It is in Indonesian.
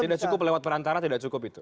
tidak cukup lewat perantara tidak cukup itu